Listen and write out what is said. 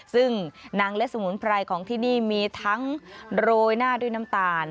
ซึ่งหนังและสมุนไพรของที่นี่มีทั้งโรยหน้าด้วยน้ำตาล